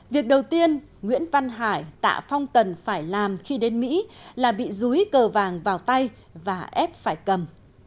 việc đầu tiên nguyễn văn hải tạ phong tần phải làm khi đến mỹ là bị rúi cờ vàng vào tay và ép phải cầm